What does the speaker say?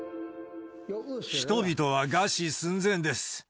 人々は餓死寸前です。